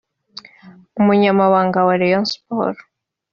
Umunyamabanga wa Rayon Sports